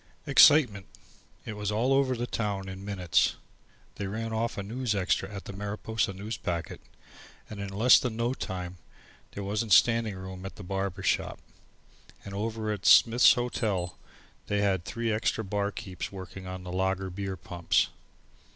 Excitement! It was all over the town in a minutes. They ran off a news extra at the Mariposa Newspacket, and in less than no time there wasn't standing room in the barber shop, and over in Smith's Hotel they had three extra barkeepers working on the lager beer pumps.